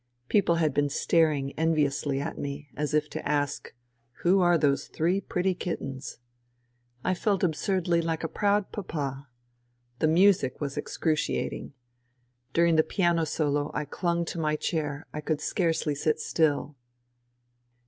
People had been staring enviously at me, as if to ask :" Who are those three pretty kittens ?" I felt absurdly like a proud papa. The music was excruciating. During the piano solo I clung to my chair : I could scarcely sit still.